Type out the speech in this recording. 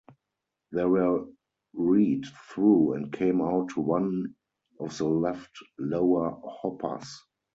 They were read thru and came out to one of the left lower hoppers.